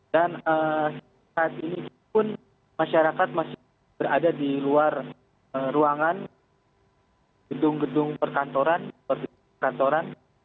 saat ini pun masyarakat masih berada di luar ruangan gedung gedung perkantoran perkantoran